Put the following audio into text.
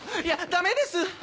「いやダメです！」